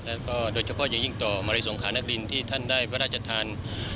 แล้วก็โดยเฉพาะอย่างยิ่งต่อมาริสงขานักบินที่ท่านได้พระราชทาน